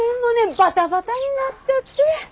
バタバタになっちゃって。